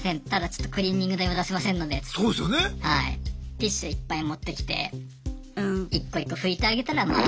ティッシュいっぱい持ってきて１個１個拭いてあげたらまあ。